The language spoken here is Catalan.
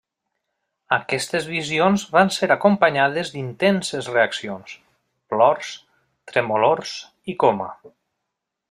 Aquestes visions van ser acompanyades d'intenses reaccions: plors, tremolors i coma.